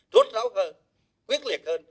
rốt ráo hơn quyết liệt hơn